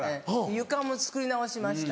床も作り直しました。